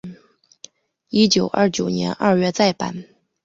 一九二九年二月再版。